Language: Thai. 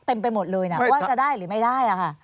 ไปหมดเลยนะว่าจะได้หรือไม่ได้ค่ะ